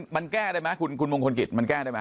มันแก้ได้มั้ยคุณมงคลกิจมันแก้ได้มั้ย